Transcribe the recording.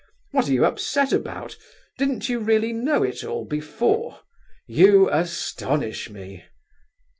What are you upset about? Didn't you really know it all before? You astonish me!"